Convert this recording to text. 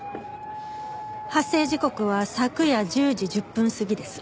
発生時刻は昨夜１０時１０分過ぎです。